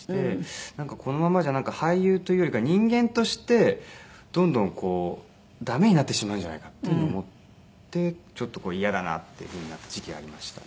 このままじゃ俳優というよりか人間としてどんどん駄目になってしまうんじゃないかっていうふうに思ってちょっと嫌だなっていうふうになった時期がありましたね。